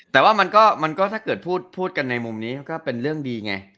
แต่ว่ามันก็ถ้าเกิดพูดกันในมุมนี้ก็เป็นเรื่องดีไง